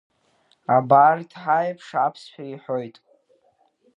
Абарҭ ҳаиԥш аԥсшәа иҳәоит.